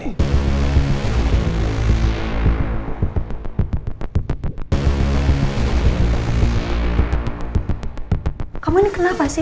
aku mau ketemu dengan anden